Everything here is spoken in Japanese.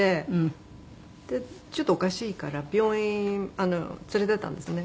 でちょっとおかしいから病院連れて行ったんですね。